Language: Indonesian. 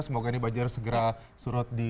semoga ini banjir segera surut di